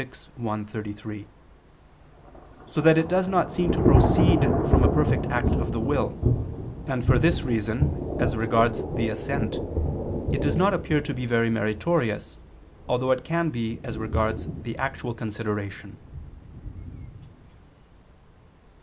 i, 33), so that it does not seem to proceed from a perfect act of the will: and for this reason, as regards the assent, it does not appear to be very meritorious, though it can be as regards the actual consideration.